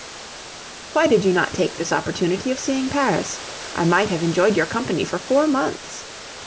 Why did you not take this opportunity of seeing Paris? I might have enjoyed your company for four months.